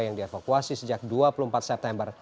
yang dievakuasi sejak dua puluh empat september